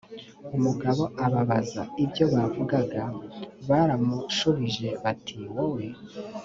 umugabo ababaza ibyo bavugaga baramushubije bati wowe